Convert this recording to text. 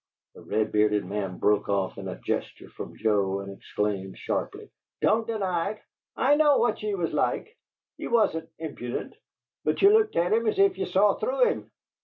The red bearded man broke off at a gesture from Joe and exclaimed sharply: "Don't deny it! I know what ye was like! Ye wasn't impudent, but ye looked at him as if ye saw through him.